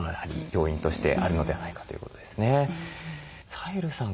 サヘルさん